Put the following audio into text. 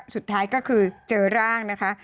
สุดท้ายก็คือเจอร่างนะคะ